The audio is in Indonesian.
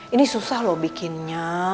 ini susah loh bikinnya